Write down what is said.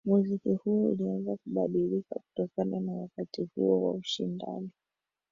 Muziki huo ulianza kubadilika kutokana na wakati huo wa ushindani